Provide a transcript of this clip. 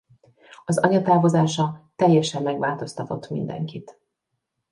Az anya távozása teljesen megváltoztatott mindenkit.